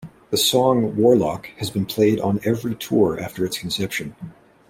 The song "Worlock" has been played on every tour after its conception.